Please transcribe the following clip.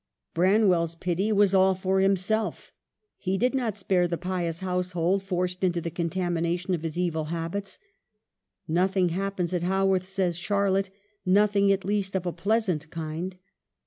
Branwell's pity was all for himself. He did not spare the pious household forced into the contamination of his evil habits. "Nothing hap pens at Haworth," says Charlotte ;" nothing at least of a pleasant kind.